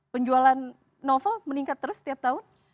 penjualan novel meningkat terus setiap tahun